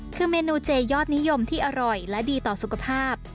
คือเมนูเจยอดนิยมที่อร่อยและดีต่อสุขภาพ